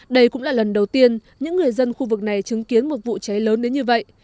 đây cũng là lần đầu tiên những người dân khu vực này chứng kiến một vụ cháy lớn đến như vậy